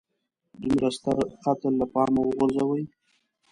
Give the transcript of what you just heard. دومره ستر قتل له پامه وغورځوي.